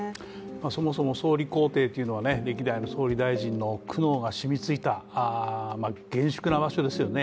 そもそも総理公邸というのは歴代の総理大臣の苦悩が染みついた厳粛な場所ですよね。